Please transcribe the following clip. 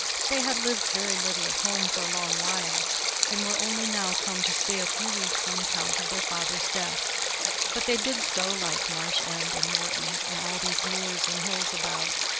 They had lived very little at home for a long while, and were only come now to stay a few weeks on account of their father's death; but they did so like Marsh End and Morton, and all these moors and hills about.